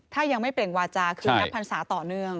ถ้ายังไม่เปล่งวาจาคือนับพันศาต่อเนื่อง